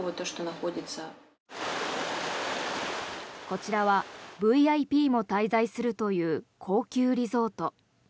こちらはＶＩＰも滞在するという高級リゾート。